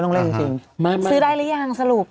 จริงซื้อได้หรือยังสรุป